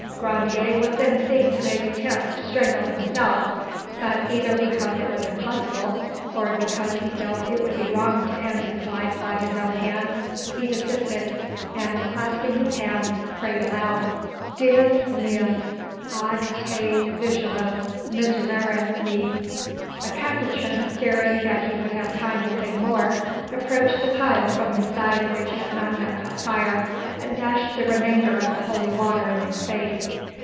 Grandier was then seen to make attempts to strangle himself, but either because it was impossible, or because he felt it would be wrong to end his life by his own hands, he desisted, and clasping his hands, prayed aloud— "Deus meus, ad te vigilo, miserere me." A Capuchin fearing that he would have time to say more, approached the pile from the side which had not yet caught fire, and dashed the remainder of the holy water in his face.